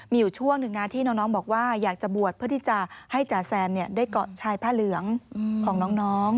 มีอยู่ช่วงหนึ่งนะที่น้องบอกว่าอยากจะบวชเพื่อที่จะให้จ๋าแซมได้เกาะชายผ้าเหลืองของน้อง